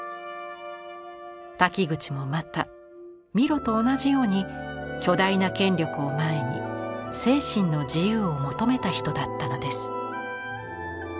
瀧口もまたミロと同じように巨大な権力を前に精神の自由を求めた人だったのです。